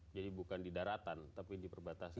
jadi bukan di daratan tapi di perbatasan